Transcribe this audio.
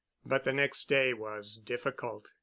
But the next day was difficult.